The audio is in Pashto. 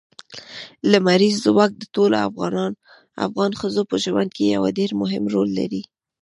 لمریز ځواک د ټولو افغان ښځو په ژوند کې یو ډېر مهم رول لري.